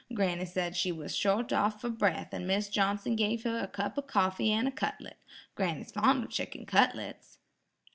Granny said she was short off for breath and Mis' Johnson gave her a cup of coffee and a cutlet. Granny's fond of chicken cutlets."